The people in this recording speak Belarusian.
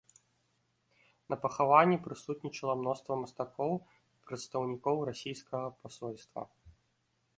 На пахаванні прысутнічала мноства мастакоў і прадстаўнікоў расійскага пасольства.